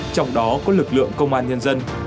trong đó có lực lượng công an nhân dân